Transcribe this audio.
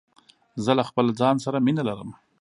زه له خپل ځان سره مینه لرم.